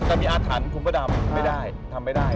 แต่มีอาถรรพ์คุณพระดำไม่ได้ทำไม่ได้